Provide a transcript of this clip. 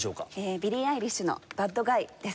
ビリー・アイリッシュの『バッド・ガイ』です。